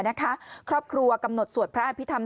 สังคมไหมนะคะครอบครัวกำหนดสวดพระอภิษฐรรม